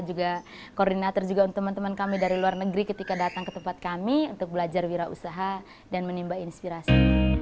juga koordinator juga untuk teman teman kami dari luar negeri ketika datang ke tempat kami untuk belajar wira usaha dan menimba inspirasi